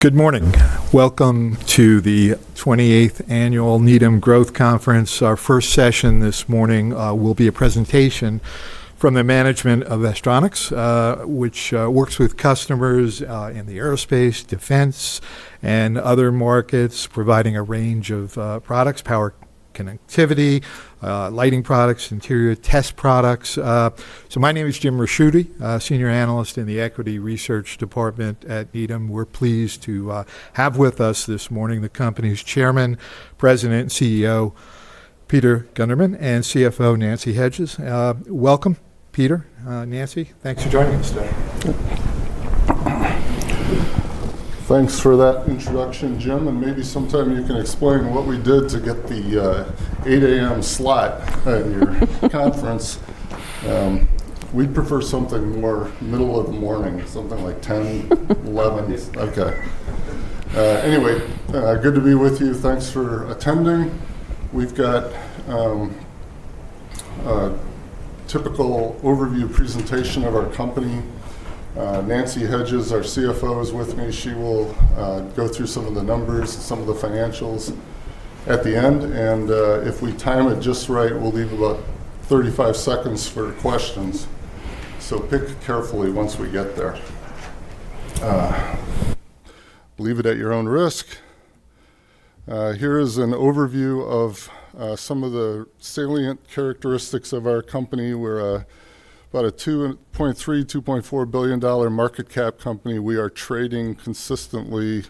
Good morning. Welcome to the 28th annual Needham Growth Conference. Our first session this morning will be a presentation from the management of Astronics, which works with customers in the aerospace, defense, and other markets, providing a range of products: power connectivity, lighting products, interior test products. So my name is Jim Ricchiuti, Senior Analyst in the Equity Research Department at Needham. We're pleased to have with us this morning the company's Chairman, President, and CEO, Peter Gundermann, and CFO, Nancy Hedges. Welcome, Peter. Nancy, thanks for joining us today. Thanks for that introduction, Jim. Maybe sometime you can explain what we did to get the 8:00 A.M. slot at your conference. We prefer something more middle of the morning, something like 10:00 A.M., 11:00 A.M. Okay. Anyway, good to be with you. Thanks for attending. We've got a typical overview presentation of our company. Nancy Hedges, our CFO, is with me. She will go through some of the numbers, some of the financials at the end. If we time it just right, we'll leave about 35 seconds for questions. Pick carefully once we get there. Leave it at your own risk. Here is an overview of some of the salient characteristics of our company. We're about a $2.3 billion-$2.4 billion market cap company. We are trading consistently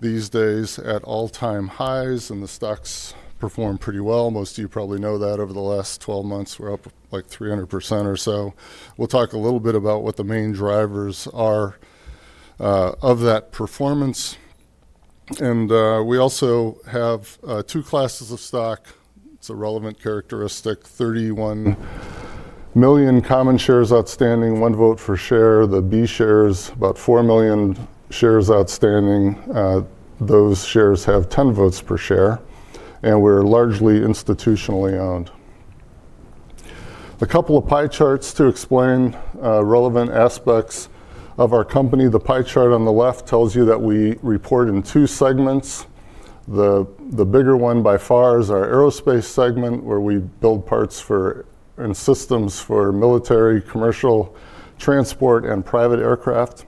these days at all-time highs, and the stocks perform pretty well. Most of you probably know that over the last 12 months, we're up like 300% or so. We'll talk a little bit about what the main drivers are of that performance. And we also have two classes of stock. It's a relevant characteristic: 31 million common shares outstanding, one vote per share. The B shares, about 4 million shares outstanding. Those shares have 10 votes per share. And we're largely institutionally owned. A couple of pie charts to explain relevant aspects of our company. The pie chart on the left tells you that we report in two segments. The bigger one by far is our aerospace segment, where we build parts and systems for military, commercial, transport, and private aircraft.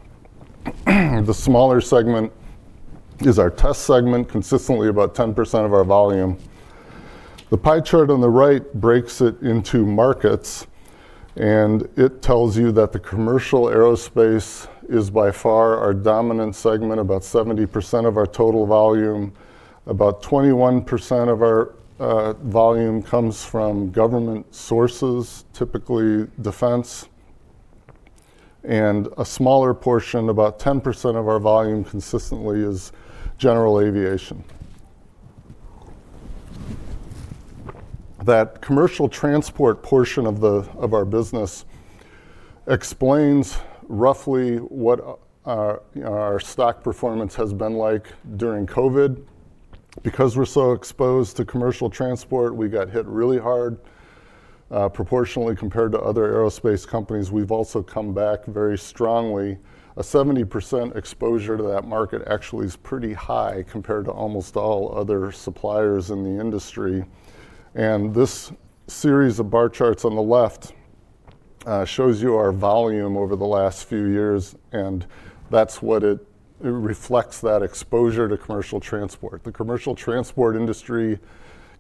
The smaller segment is our test segment, consistently about 10% of our volume. The pie chart on the right breaks it into markets. It tells you that the commercial aerospace is by far our dominant segment, about 70% of our total volume. About 21% of our volume comes from government sources, typically defense. A smaller portion, about 10% of our volume consistently, is general aviation. That commercial transport portion of our business explains roughly what our stock performance has been like during COVID. Because we're so exposed to commercial transport, we got hit really hard. Proportionally compared to other aerospace companies, we've also come back very strongly. A 70% exposure to that market actually is pretty high compared to almost all other suppliers in the industry. This series of bar charts on the left shows you our volume over the last few years. That's what it reflects: that exposure to commercial transport. The commercial transport industry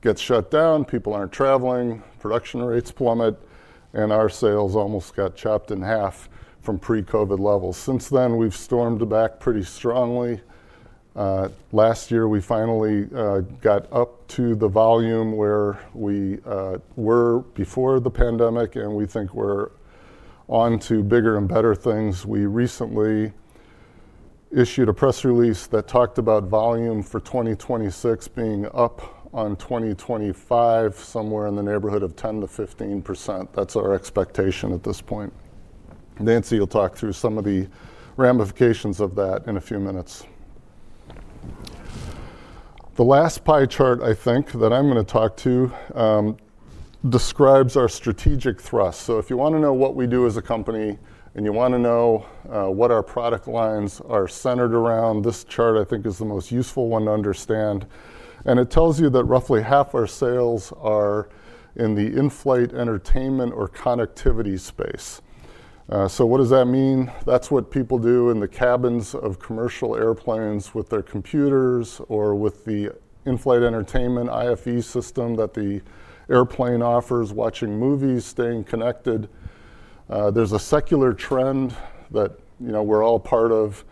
gets shut down. People aren't traveling. Production rates plummet. Our sales almost got chopped in half from pre-COVID levels. Since then, we've stormed back pretty strongly. Last year, we finally got up to the volume where we were before the pandemic. We think we're on to bigger and better things. We recently issued a press release that talked about volume for 2026 being up on 2025, somewhere in the neighborhood of 10%-15%. That's our expectation at this point. Nancy, you'll talk through some of the ramifications of that in a few minutes. The last pie chart, I think, that I'm going to talk to describes our strategic thrust. If you want to know what we do as a company and you want to know what our product lines are centered around, this chart, I think, is the most useful one to understand. And it tells you that roughly half our sales are in the in-flight entertainment or connectivity space. So what does that mean? That's what people do in the cabins of commercial airplanes with their computers or with the in-flight entertainment IFE system that the airplane offers, watching movies, staying connected. There's a secular trend that we're all part of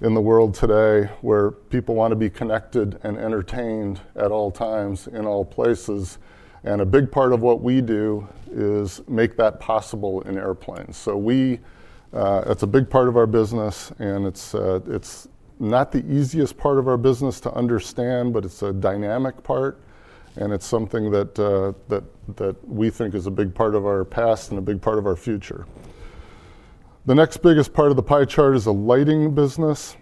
in the world today where people want to be connected and entertained at all times, in all places. And a big part of what we do is make that possible in airplanes. So that's a big part of our business. And it's not the easiest part of our business to understand, but it's a dynamic part. And it's something that we think is a big part of our past and a big part of our future. The next biggest part of the pie chart is a lighting business.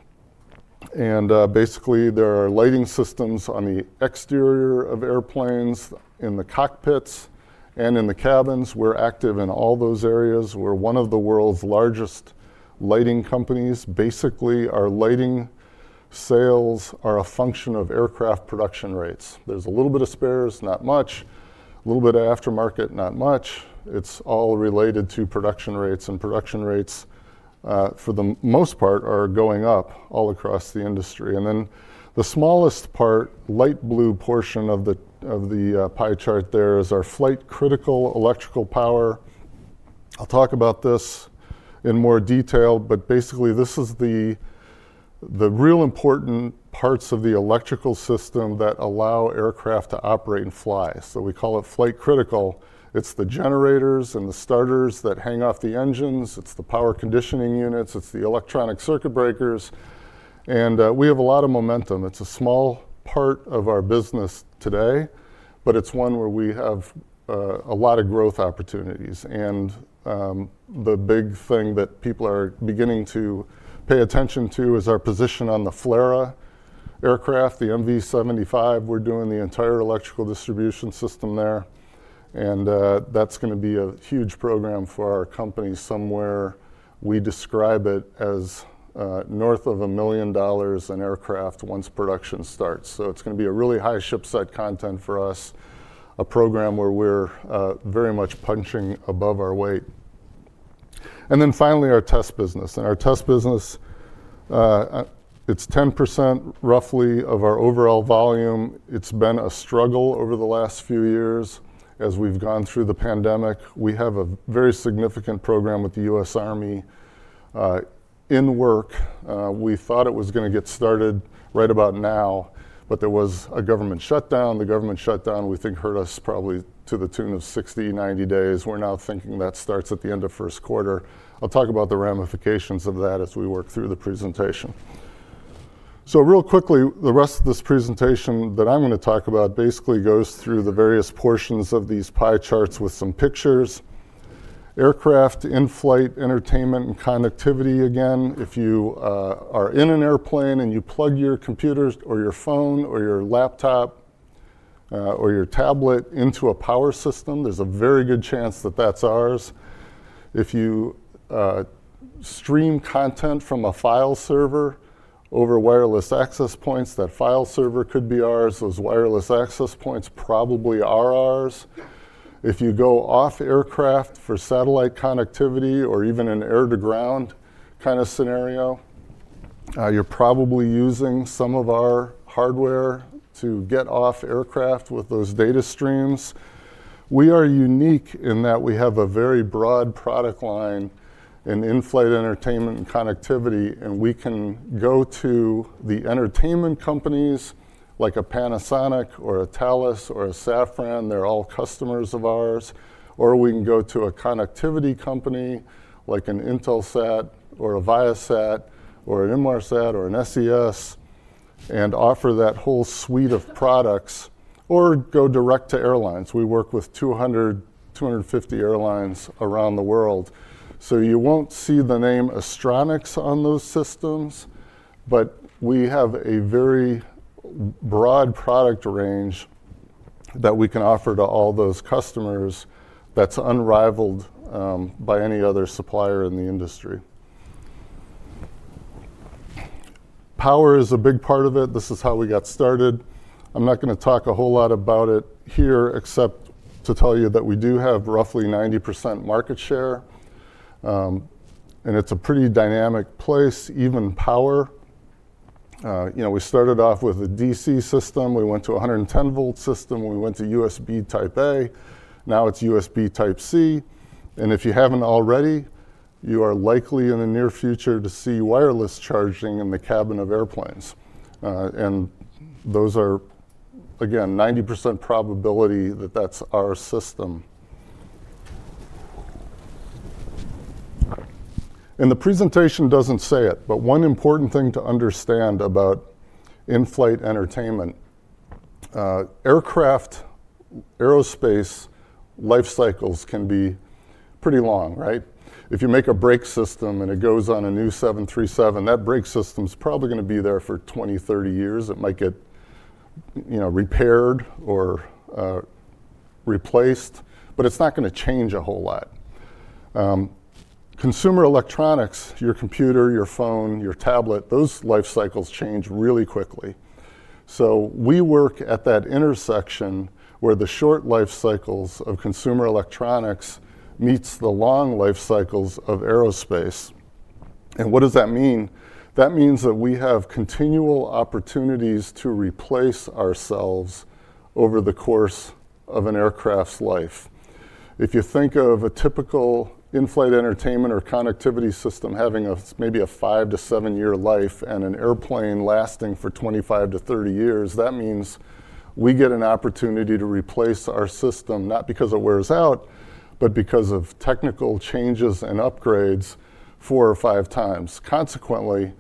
And basically, there are lighting systems on the exterior of airplanes, in the cockpits, and in the cabins. We're active in all those areas. We're one of the world's largest lighting companies. Basically, our lighting sales are a function of aircraft production rates. There's a little bit of spares, not much. A little bit of aftermarket, not much. It's all related to production rates. And production rates, for the most part, are going up all across the industry. And then the smallest part, light blue portion of the pie chart there, is our flight-critical electrical power. I'll talk about this in more detail. But basically, this is the real important parts of the electrical system that allow aircraft to operate and fly. So we call it flight-critical. It's the generators and the starters that hang off the engines. It's the power conditioning units. It's the electronic circuit breakers. We have a lot of momentum. It's a small part of our business today, but it's one where we have a lot of growth opportunities. The big thing that people are beginning to pay attention to is our position on the FLRAA aircraft, the MV-75. We're doing the entire electrical distribution system there. That's going to be a huge program for our company somewhere we describe it as north of $1 million an aircraft once production starts. So it's going to be a really high shipset content for us, a program where we're very much punching above our weight. Then finally, our test business. Our test business, it's roughly 10% of our overall volume. It's been a struggle over the last few years as we've gone through the pandemic. We have a very significant program with the U.S. Army in work. We thought it was going to get started right about now, but there was a government shutdown. The government shutdown, we think, hurt us probably to the tune of 60 days-90 days. We're now thinking that starts at the end of first quarter. I'll talk about the ramifications of that as we work through the presentation. So real quickly, the rest of this presentation that I'm going to talk about basically goes through the various portions of these pie charts with some pictures: aircraft, in-flight entertainment, and connectivity. Again, if you are in an airplane and you plug your computer or your phone or your laptop or your tablet into a power system, there's a very good chance that that's ours. If you stream content from a file server over wireless access points, that file server could be ours. Those wireless access points probably are ours. If you go off aircraft for satellite connectivity or even an air-to-ground kind of scenario, you're probably using some of our hardware to get off aircraft with those data streams. We are unique in that we have a very broad product line in in-flight entertainment and connectivity. And we can go to the entertainment companies like a Panasonic or a Thales or a Safran. They're all customers of ours. Or we can go to a connectivity company like an Intelsat or a Viasat or an Inmarsat or an SES and offer that whole suite of products or go direct to airlines. We work with 200 airlines, 250 airlines around the world. So you won't see the name Astronics on those systems, but we have a very broad product range that we can offer to all those customers that's unrivaled by any other supplier in the industry. Power is a big part of it. This is how we got started. I'm not going to talk a whole lot about it here, except to tell you that we do have roughly 90% market share. And it's a pretty dynamic place, even power. We started off with a DC system. We went to a 110-volt system. We went to USB Type-A. Now it's USB Type-C. And if you haven't already, you are likely in the near future to see wireless charging in the cabin of airplanes. And those are, again, 90% probability that that's our system. And the presentation doesn't say it, but one important thing to understand about in-flight entertainment: aircraft aerospace life cycles can be pretty long, right? If you make a brake system and it goes on a new 737, that brake system's probably going to be there for 20 years, 30 years. It might get repaired or replaced, but it's not going to change a whole lot. Consumer electronics, your computer, your phone, your tablet, those life cycles change really quickly. So we work at that intersection where the short life cycles of consumer electronics meet the long life cycles of aerospace. And what does that mean? That means that we have continual opportunities to replace ourselves over the course of an aircraft's life. If you think of a typical in-flight entertainment or connectivity system having maybe a five to seven-year life and an airplane lasting for 25 years-30 years, that means we get an opportunity to replace our system, not because it wears out, but because of technical changes and upgrades four or five times. Consequently,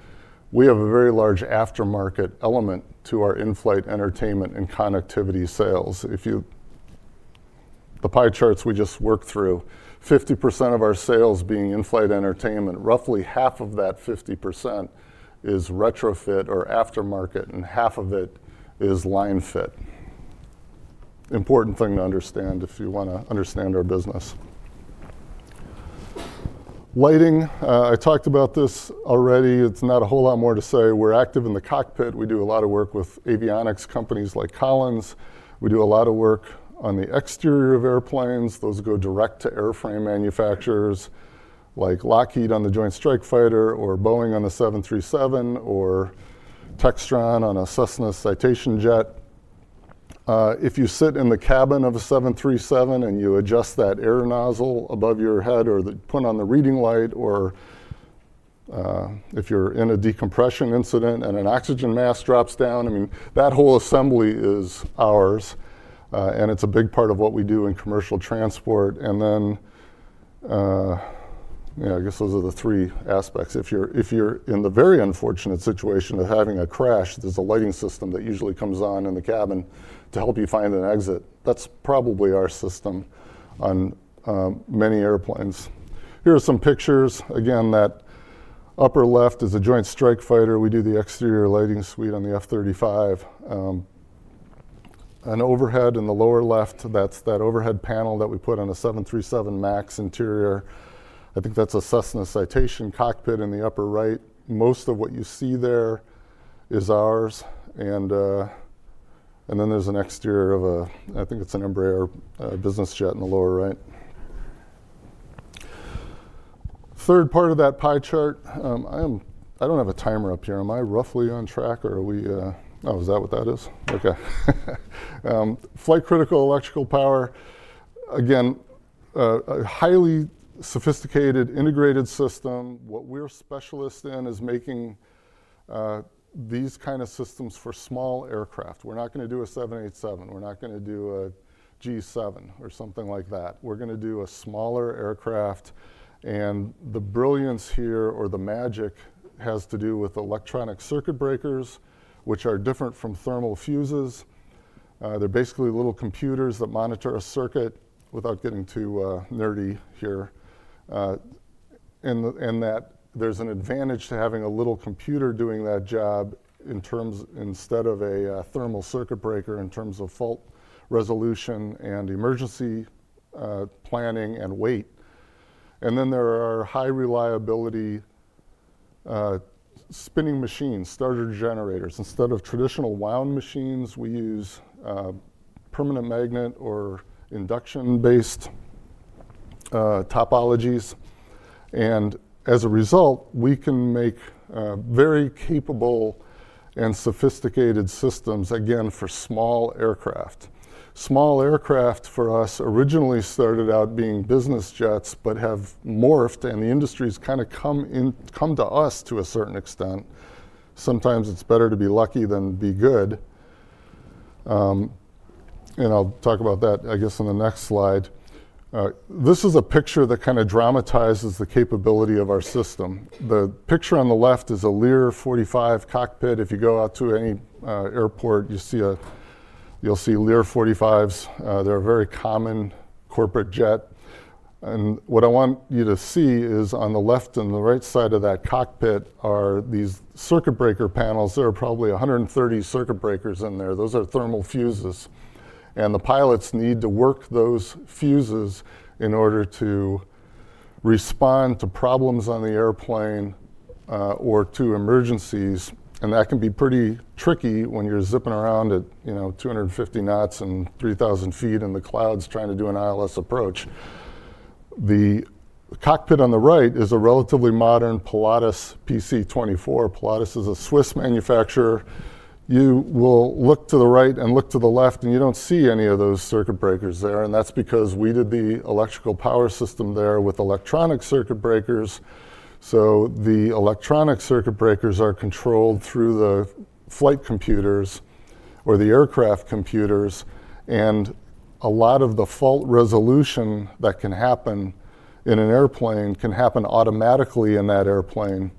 we have a very large aftermarket element to our in-flight entertainment and connectivity sales. The pie charts we just worked through: 50% of our sales being in-flight entertainment. Roughly half of that 50% is retrofit or aftermarket, and half of it is line fit. Important thing to understand if you want to understand our business. Lighting, I talked about this already. It's not a whole lot more to say. We're active in the cockpit. We do a lot of work with avionics companies like Collins. We do a lot of work on the exterior of airplanes. Those go direct to airframe manufacturers like Lockheed on the Joint Strike Fighter or Boeing on the 737 or Textron on a Cessna Citation jet. If you sit in the cabin of a 737 and you adjust that air nozzle above your head or put on the reading light, or if you're in a decompression incident and an oxygen mask drops down, I mean, that whole assembly is ours, and it's a big part of what we do in commercial transport, and then I guess those are the three aspects. If you're in the very unfortunate situation of having a crash, there's a lighting system that usually comes on in the cabin to help you find an exit. That's probably our system on many airplanes. Here are some pictures. Again, that upper left is a Joint Strike Fighter. We do the exterior lighting suite on the F-35. An overhead in the lower left, that's that overhead panel that we put on a 737 MAX interior. I think that's a Cessna Citation cockpit in the upper right. Most of what you see there is ours. And then there's an exterior of a, I think it's an Embraer business jet in the lower right. Third part of that pie chart. I don't have a timer up here. Am I roughly on track, or are we? Oh, is that what that is? Okay. Flight-critical electrical power. Again, a highly sophisticated integrated system. What we're specialists in is making these kind of systems for small aircraft. We're not going to do a 787. We're not going to do a G7 or something like that. We're going to do a smaller aircraft. And the brilliance here or the magic has to do with electronic circuit breakers, which are different from thermal fuses. They're basically little computers that monitor a circuit without getting too nerdy here. And that there's an advantage to having a little computer doing that job instead of a thermal circuit breaker in terms of fault resolution and emergency planning and weight. And then there are high-reliability spinning machines, starter generators. Instead of traditional wound machines, we use permanent magnet or induction-based topologies. And as a result, we can make very capable and sophisticated systems, again, for small aircraft. Small aircraft for us originally started out being business jets, but have morphed. And the industry's kind of come to us to a certain extent. Sometimes it's better to be lucky than be good. And I'll talk about that, I guess, in the next slide. This is a picture that kind of dramatizes the capability of our system. The picture on the left is a Learjet 45 cockpit. If you go out to any airport, you'll see Learjet 45s. They're a very common corporate jet. And what I want you to see is on the left and the right side of that cockpit are these circuit breaker panels. There are probably 130 circuit breakers in there. Those are thermal fuses. And the pilots need to work those fuses in order to respond to problems on the airplane or to emergencies. And that can be pretty tricky when you're zipping around at 250 kts and 3,000 ft in the clouds trying to do an ILS approach. The cockpit on the right is a relatively modern Pilatus PC-24. Pilatus is a Swiss manufacturer. You will look to the right and look to the left, and you don't see any of those circuit breakers there. And that's because we did the electrical power system there with electronic circuit breakers. So the electronic circuit breakers are controlled through the flight computers or the aircraft computers. And a lot of the fault resolution that can happen in an airplane can happen automatically in that airplane.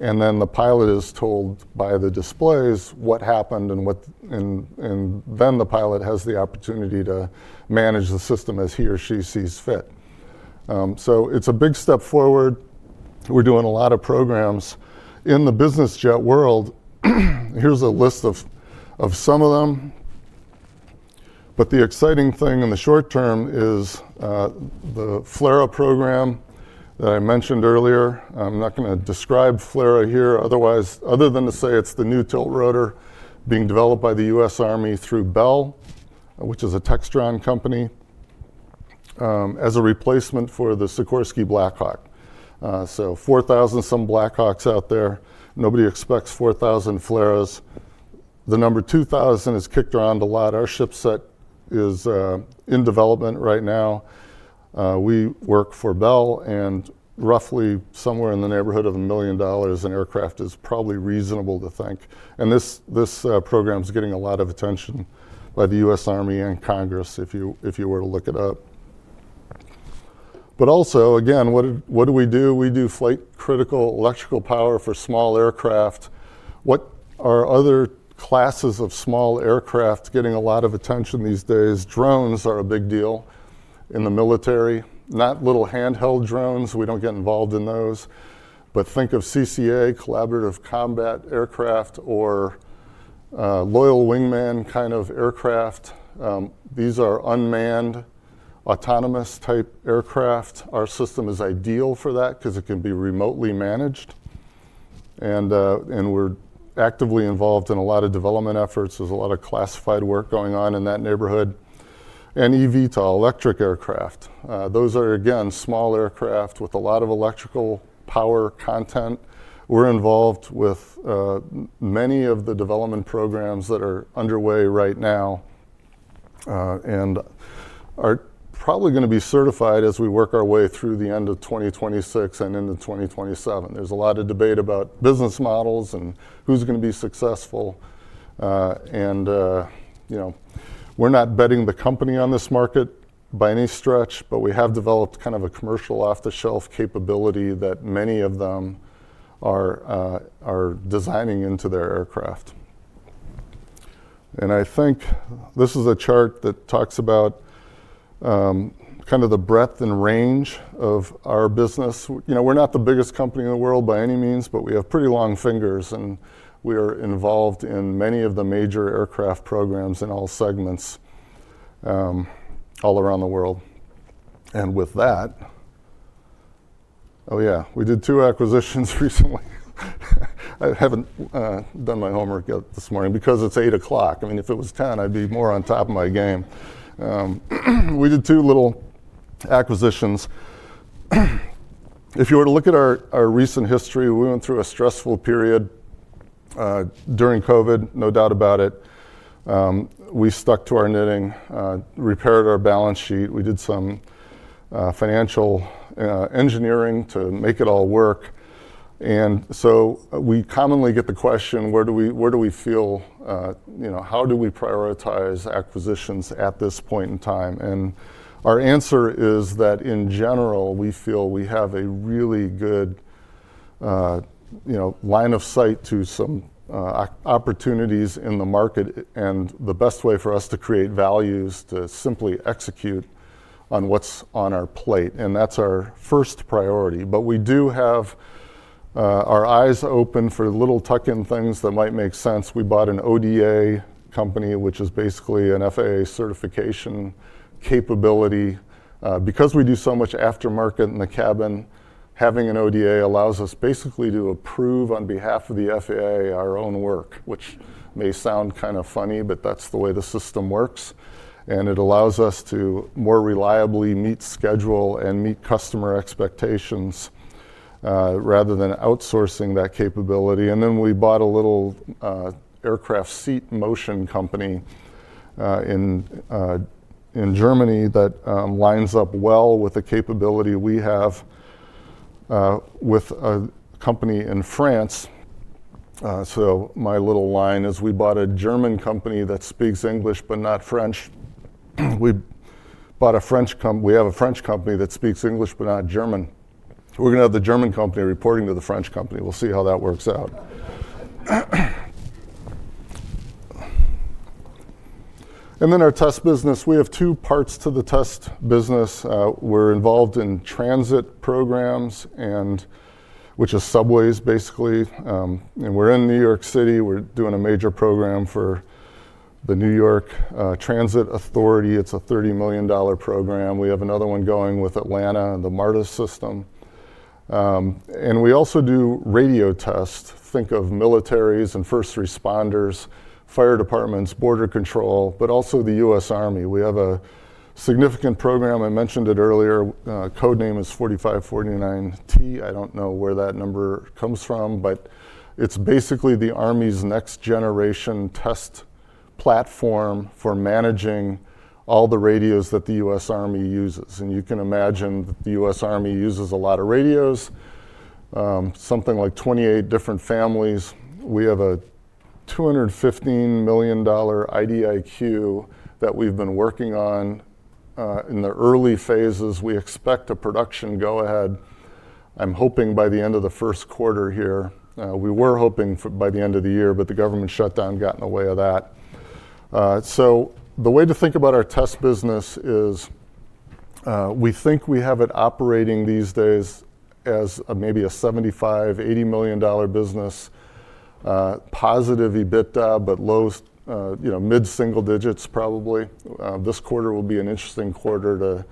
And then the pilot is told by the displays what happened. And then the pilot has the opportunity to manage the system as he or she sees fit. So it's a big step forward. We're doing a lot of programs in the business jet world. Here's a list of some of them. But the exciting thing in the short term is the FLRAA program that I mentioned earlier. I'm not going to describe FLRAA here, other than to say it's the new tilt rotor being developed by the U.S. Army through Bell, which is a Textron company, as a replacement for the Sikorsky Black Hawk. So 4,000-some Black Hawks out there. Nobody expects 4,000 FLRAAs. The number 2,000 is kicked around a lot. Our shipset is in development right now. We work for Bell. And roughly somewhere in the neighborhood of $1 million an aircraft is probably reasonable to think. And this program's getting a lot of attention by the U.S. Army and Congress if you were to look it up. But also, again, what do we do? We do flight-critical electrical power for small aircraft. What are other classes of small aircraft getting a lot of attention these days? Drones are a big deal in the military. Not little handheld drones. We don't get involved in those. But think of CCA, Collaborative Combat Aircraft, or Loyal Wingman kind of aircraft. These are unmanned autonomous-type aircraft. Our system is ideal for that because it can be remotely managed. And we're actively involved in a lot of development efforts. There's a lot of classified work going on in that neighborhood, and eVTOL electric aircraft. Those are, again, small aircraft with a lot of electrical power content. We're involved with many of the development programs that are underway right now and are probably going to be certified as we work our way through the end of 2026 and into 2027. There's a lot of debate about business models and who's going to be successful, and we're not betting the company on this market by any stretch, but we have developed kind of a commercial off-the-shelf capability that many of them are designing into their aircraft. And I think this is a chart that talks about kind of the breadth and range of our business. We're not the biggest company in the world by any means, but we have pretty long fingers. We are involved in many of the major aircraft programs in all segments all around the world. And with that, oh yeah, we did two acquisitions recently. I haven't done my homework yet this morning because it's 8:00 A.M. I mean, if it was 10:00 A.M., I'd be more on top of my game. We did two little acquisitions. If you were to look at our recent history, we went through a stressful period during COVID, no doubt about it. We stuck to our knitting, repaired our balance sheet. We did some financial engineering to make it all work. And so we commonly get the question, where do we feel? How do we prioritize acquisitions at this point in time? Our answer is that, in general, we feel we have a really good line of sight to some opportunities in the market and the best way for us to create value is to simply execute on what's on our plate. That's our first priority. But we do have our eyes open for little tuck-in things that might make sense. We bought an ODA company, which is basically an FAA certification capability. Because we do so much aftermarket in the cabin, having an ODA allows us basically to approve on behalf of the FAA our own work, which may sound kind of funny, but that's the way the system works. It allows us to more reliably meet schedule and meet customer expectations rather than outsourcing that capability. And then we bought a little aircraft seat motion company in Germany that lines up well with the capability we have with a company in France. So my little line is we bought a German company that speaks English but not French. We bought a French company. We have a French company that speaks English but not German. We're going to have the German company reporting to the French company. We'll see how that works out. And then our test business, we have two parts to the test business. We're involved in transit programs, which is subways basically. And we're in New York City. We're doing a major program for the New York Transit Authority. It's a $30 million program. We have another one going with Atlanta and the MARTA system. And we also do radio tests. Think of militaries and first responders, fire departments, border control, but also the U.S. Army. We have a significant program. I mentioned it earlier. Code name is 4549/T. I don't know where that number comes from, but it's basically the Army's next-generation test platform for managing all the radios that the U.S. Army uses. You can imagine that the U.S. Army uses a lot of radios, something like 28 different families. We have a $215 million IDIQ that we've been working on in the early phases. We expect a production go-ahead. I'm hoping by the end of the first quarter here. We were hoping by the end of the year, but the government shutdown got in the way of that. So the way to think about our test business is we think we have it operating these days as maybe a $75 million-$80 million business, positive EBITDA, but low mid-single digits probably. This quarter will be an interesting quarter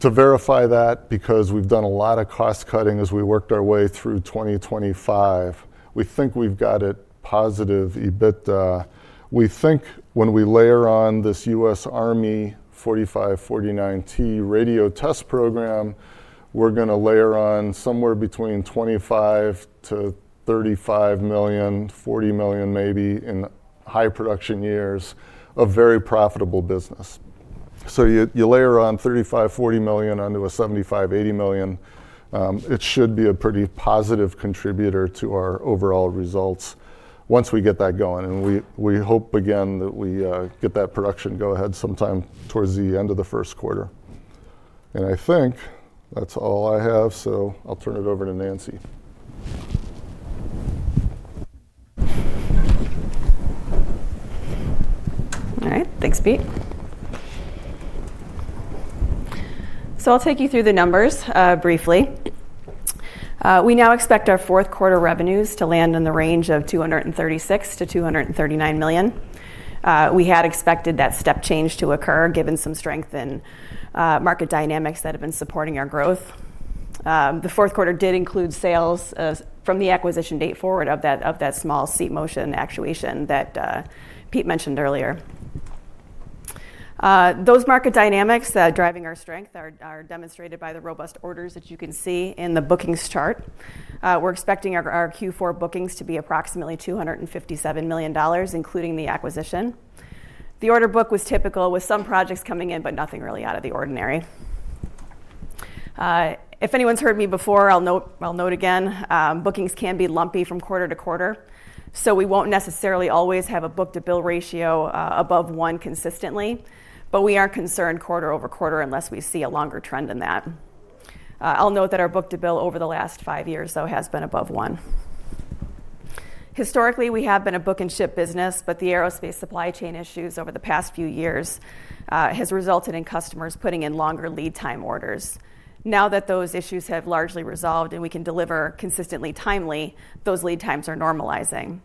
to verify that because we've done a lot of cost cutting as we worked our way through 2025. We think we've got it positive EBITDA. We think when we layer on this U.S. Army 4549/T radio test program, we're going to layer on somewhere between $25 million-$35 million, $40 million maybe in high production years of very profitable business. So you layer on $35 million-$40 million onto a $75 million-$80 million, it should be a pretty positive contributor to our overall results once we get that going. And we hope, again, that we get that production go-ahead sometime towards the end of the first quarter. I think that's all I have, so I'll turn it over to Nancy. All right. Thanks, Pete. So I'll take you through the numbers briefly. We now expect our fourth quarter revenues to land in the range of $236 million-$239 million. We had expected that step change to occur given some strength in market dynamics that have been supporting our growth. The fourth quarter did include sales from the acquisition date forward of that small seat motion actuation that Pete mentioned earlier. Those market dynamics that are driving our strength are demonstrated by the robust orders that you can see in the bookings chart. We're expecting our Q4 bookings to be approximately $257 million, including the acquisition. The order book was typical with some projects coming in, but nothing really out of the ordinary. If anyone's heard me before, I'll note again, bookings can be lumpy from quarter to quarter. So we won't necessarily always have a book-to-bill ratio above one consistently, but we aren't concerned quarter over quarter unless we see a longer trend than that. I'll note that our book-to-bill over the last five years, though, has been above one. Historically, we have been a book-and-ship business, but the aerospace supply chain issues over the past few years have resulted in customers putting in longer lead-time orders. Now that those issues have largely resolved and we can deliver consistently timely, those lead times are normalizing.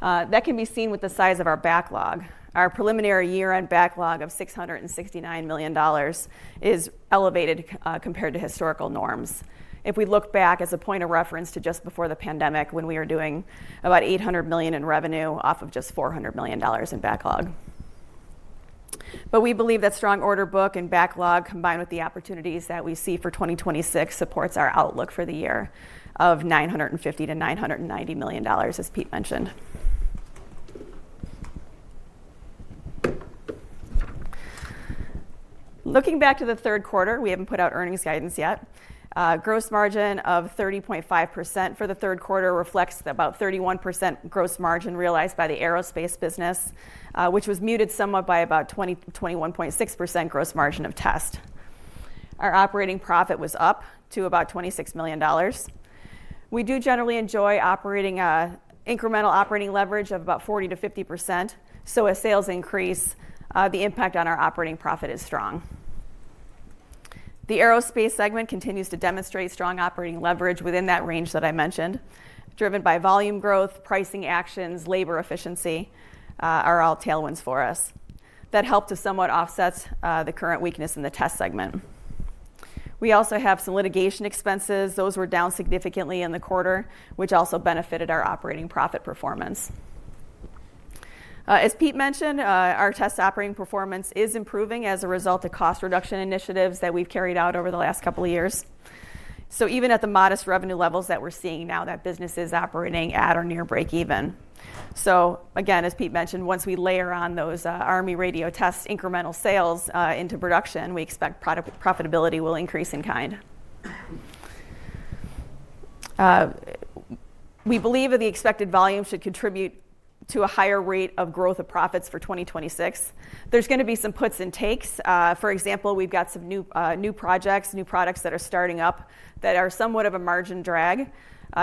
That can be seen with the size of our backlog. Our preliminary year-end backlog of $669 million is elevated compared to historical norms. If we look back as a point of reference to just before the pandemic when we were doing about $800 million in revenue off of just $400 million in backlog. But we believe that strong order book and backlog combined with the opportunities that we see for 2026 supports our outlook for the year of $950 million-$990 million, as Pete mentioned. Looking back to the third quarter, we haven't put out earnings guidance yet. Gross margin of 30.5% for the third quarter reflects about 31% gross margin realized by the Aerospace business, which was muted somewhat by about 21.6% gross margin of Test. Our operating profit was up to about $26 million. We do generally enjoy incremental operating leverage of about 40%-50%. So a sales increase, the impact on our operating profit is strong. The Aerospace segment continues to demonstrate strong operating leverage within that range that I mentioned, driven by volume growth, pricing actions, labor efficiency are all tailwinds for us. That helped to somewhat offset the current weakness in the Test segment. We also have some litigation expenses. Those were down significantly in the quarter, which also benefited our operating profit performance. As Pete mentioned, our test operating performance is improving as a result of cost reduction initiatives that we've carried out over the last couple of years. So even at the modest revenue levels that we're seeing now, that business is operating at or near break-even. So again, as Pete mentioned, once we layer on those Army radio test incremental sales into production, we expect profitability will increase in kind. We believe that the expected volume should contribute to a higher rate of growth of profits for 2026. There's going to be some puts and takes. For example, we've got some new projects, new products that are starting up that are somewhat of a margin drag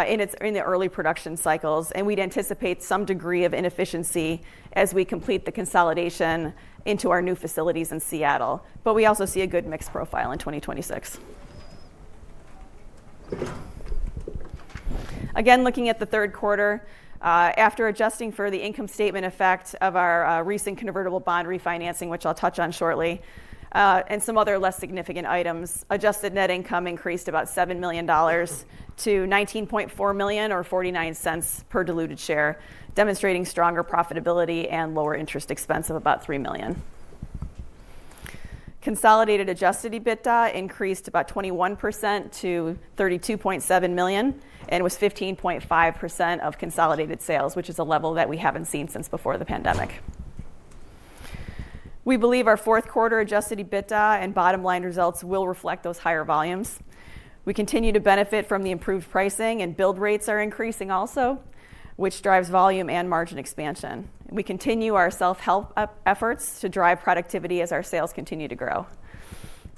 in the early production cycles. We'd anticipate some degree of inefficiency as we complete the consolidation into our new facilities in Seattle. But we also see a good mixed profile in 2026. Again, looking at the third quarter, after adjusting for the income statement effect of our recent convertible bond refinancing, which I'll touch on shortly, and some other less significant items, adjusted net income increased about $7 million to $19.4 million or $0.49 per diluted share, demonstrating stronger profitability and lower interest expense of about $3 million. Consolidated adjusted EBITDA increased about 21% to $32.7 million and was 15.5% of consolidated sales, which is a level that we haven't seen since before the pandemic. We believe our fourth quarter adjusted EBITDA and bottom-line results will reflect those higher volumes. We continue to benefit from the improved pricing, and build rates are increasing also, which drives volume and margin expansion. We continue our self-help efforts to drive productivity as our sales continue to grow.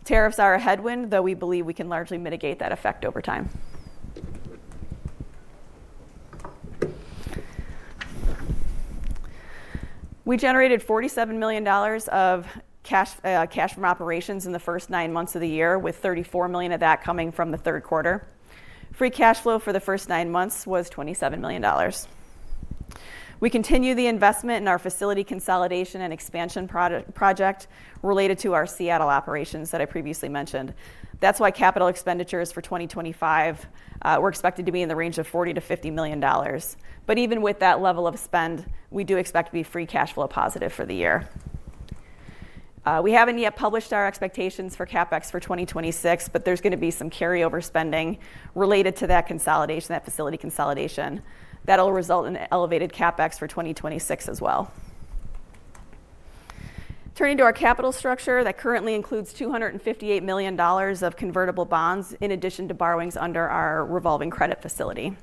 Tariffs are a headwind, though we believe we can largely mitigate that effect over time. We generated $47 million of cash from operations in the first nine months of the year, with $34 million of that coming from the third quarter. Free cash flow for the first nine months was $27 million. We continue the investment in our facility consolidation and expansion project related to our Seattle operations that I previously mentioned. That's why capital expenditures for 2025 were expected to be in the range of $40 million-$50 million. But even with that level of spend, we do expect to be free cash flow positive for the year. We haven't yet published our expectations for CapEx for 2026, but there's going to be some carryover spending related to that consolidation, that facility consolidation. That'll result in elevated CapEx for 2026 as well. Turning to our capital structure, that currently includes $258 million of convertible bonds in addition to borrowings under our revolving credit facility.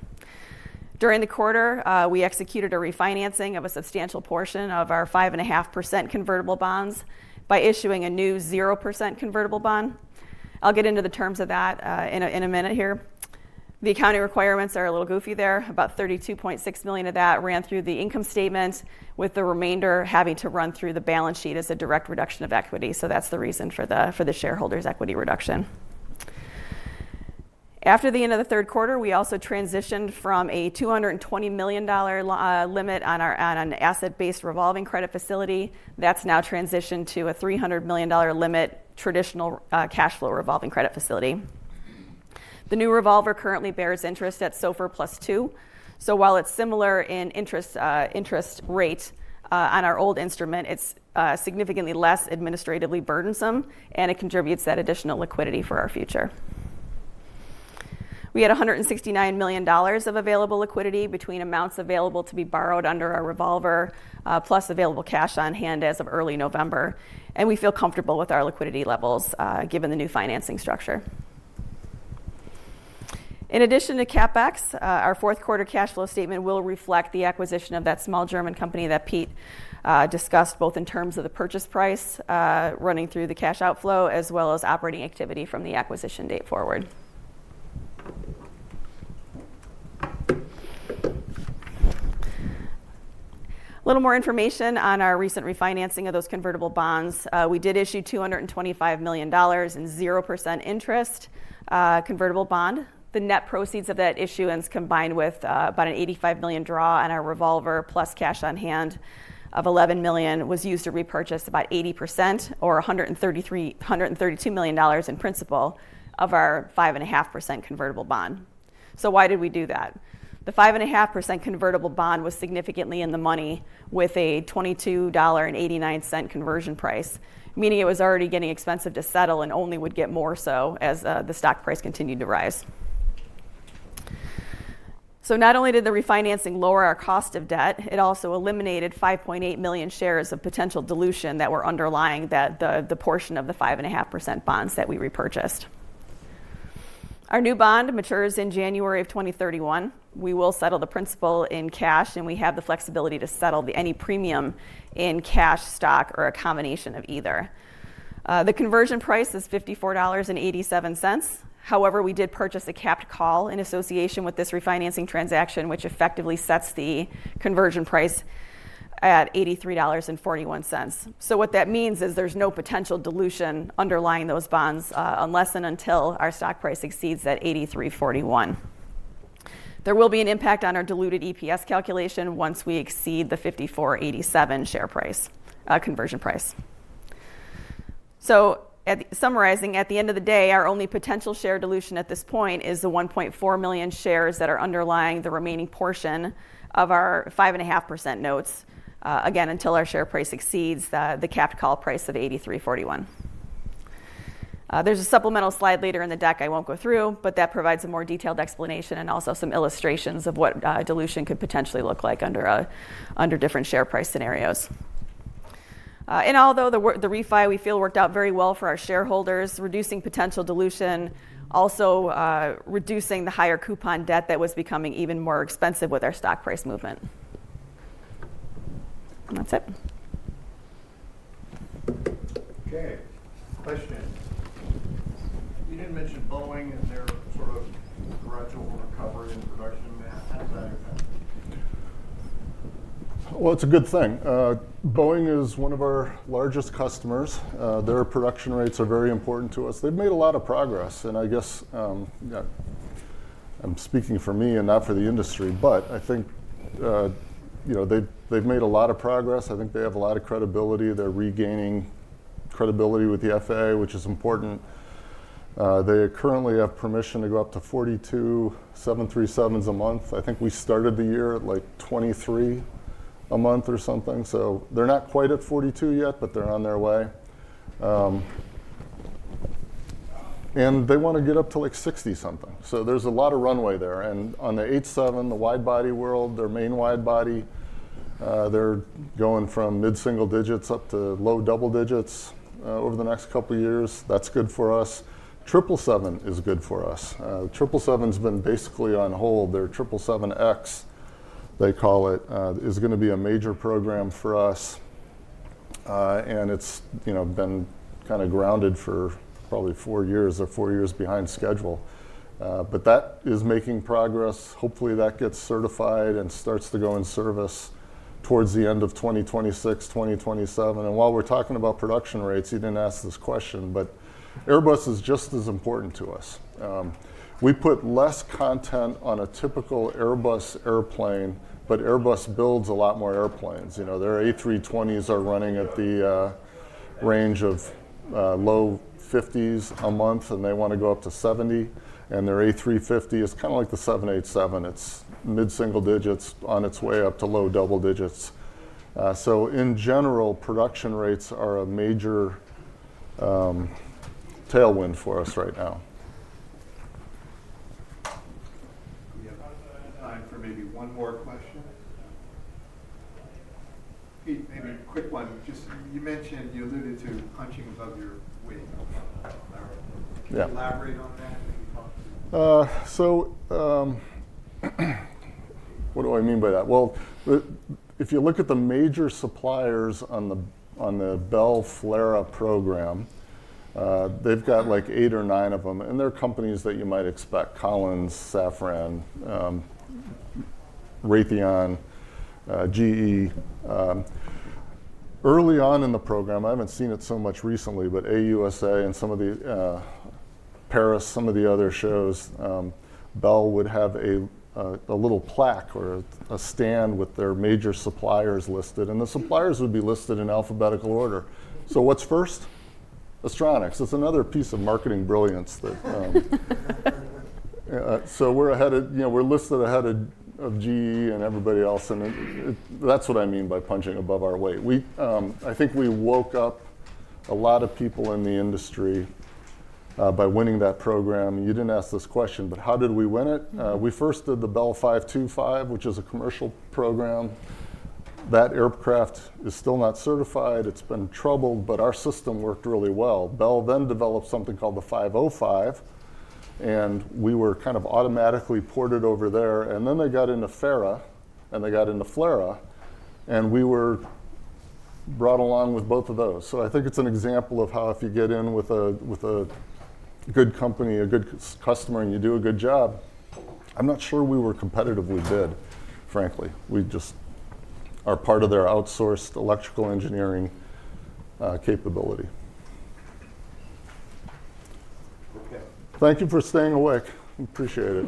During the quarter, we executed a refinancing of a substantial portion of our 5.5% convertible bonds by issuing a new 0% convertible bond. I'll get into the terms of that in a minute here. The accounting requirements are a little goofy there. About $32.6 million of that ran through the income statement, with the remainder having to run through the balance sheet as a direct reduction of equity. So that's the reason for the shareholders' equity reduction. After the end of the third quarter, we also transitioned from a $220 million limit on an asset-based revolving credit facility. That's now transitioned to a $300 million limit traditional cash flow revolving credit facility. The new revolver currently bears interest at SOFR + 2%. While it's similar in interest rate on our old instrument, it's significantly less administratively burdensome, and it contributes that additional liquidity for our future. We had $169 million of available liquidity between amounts available to be borrowed under our revolver plus available cash on hand as of early November. We feel comfortable with our liquidity levels given the new financing structure. In addition to CapEx, our fourth quarter cash flow statement will reflect the acquisition of that small German company that Pete discussed both in terms of the purchase price running through the cash outflow as well as operating activity from the acquisition date forward. A little more information on our recent refinancing of those convertible bonds. We did issue $225 million in 0% interest convertible bond. The net proceeds of that issuance combined with about an $85 million draw on our revolver plus cash on hand of $11 million was used to repurchase about 80% or $132 million in principal of our 5.5% convertible bond. So why did we do that? The 5.5% convertible bond was significantly in the money with a $22.89 conversion price, meaning it was already getting expensive to settle and only would get more so as the stock price continued to rise. So not only did the refinancing lower our cost of debt, it also eliminated 5.8 million shares of potential dilution that were underlying the portion of the 5.5% bonds that we repurchased. Our new bond matures in January of 2031. We will settle the principal in cash, and we have the flexibility to settle any premium in cash, stock, or a combination of either. The conversion price is $54.87. However, we did purchase a capped call in association with this refinancing transaction, which effectively sets the conversion price at $83.41. So what that means is there's no potential dilution underlying those bonds unless and until our stock price exceeds that $83.41. There will be an impact on our diluted EPS calculation once we exceed the $54.87 conversion price. So summarizing, at the end of the day, our only potential share dilution at this point is the 1.4 million shares that are underlying the remaining portion of our 5.5% notes, again, until our share price exceeds the capped call price of $83.41. There's a supplemental slide later in the deck I won't go through, but that provides a more detailed explanation and also some illustrations of what dilution could potentially look like under different share price scenarios. In all, though, the refi we feel worked out very well for our shareholders, reducing potential dilution, also reducing the higher coupon debt that was becoming even more expensive with our stock price movement, and that's it. Okay. Question. You did mention Boeing and their sort of gradual recovery in production. How does that impact? It's a good thing. Boeing is one of our largest customers. Their production rates are very important to us. They've made a lot of progress. And I guess I'm speaking for me and not for the industry, but I think they've made a lot of progress. I think they have a lot of credibility. They're regaining credibility with the FAA, which is important. They currently have permission to go up to 42 737s a month. I think we started the year at like 23 a month or something. So they're not quite at 42 yet, but they're on their way. And they want to get up to like 60 something. So there's a lot of runway there. And on the 87, the wide body world, their main wide body, they're going from mid-single digits up to low double digits over the next couple of years. That's good for us. 777 is good for us. 777 has been basically on hold. Their 777X, they call it, is going to be a major program for us. And it's been kind of grounded for probably four years or four years behind schedule. But that is making progress. Hopefully, that gets certified and starts to go in service towards the end of 2026, 2027. And while we're talking about production rates, you didn't ask this question, but Airbus is just as important to us. We put less content on a typical Airbus airplane, but Airbus builds a lot more airplanes. Their A320s are running at the range of low 50s a month, and they want to go up to 70. And their A350 is kind of like the 787. It's mid-single digits on its way up to low double digits. So in general, production rates are a major tailwind for us right now. Do we have time for maybe one more question? Pete, maybe a quick one. You alluded to punching above your weight. Can you elaborate on that? So what do I mean by that? Well, if you look at the major suppliers on the Bell FLRAA program, they've got like eight or nine of them. And they're companies that you might expect: Collins, Safran, Raytheon, GE. Early on in the program, I haven't seen it so much recently, but AUSA and some of the Paris, some of the other shows, Bell would have a little plaque or a stand with their major suppliers listed. And the suppliers would be listed in alphabetical order. So what's first? Astronics. It's another piece of marketing brilliance. So we're listed ahead of GE and everybody else. And that's what I mean by punching above our weight. I think we woke up a lot of people in the industry by winning that program. You didn't ask this question, but how did we win it? We first did the Bell 525, which is a commercial program. That aircraft is still not certified. It's been troubled, but our system worked really well. Bell then developed something called the 505, and we were kind of automatically ported over there, and then they got into FARA and they got into FLRAA, and we were brought along with both of those. So I think it's an example of how if you get in with a good company, a good customer, and you do a good job, I'm not sure we were competitively bid, frankly. We just are part of their outsourced electrical engineering capability. Okay. Thank you for staying awake. Appreciate it.